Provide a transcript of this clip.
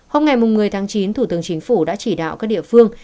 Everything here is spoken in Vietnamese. hôm ngày một mươi tháng chín thủ tướng chính phủ đã chỉ đạo các địa phương